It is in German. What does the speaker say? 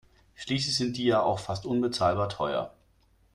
Schließlich sind die ja auch fast unbezahlbar teuer.